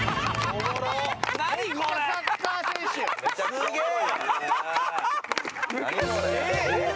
すげえ！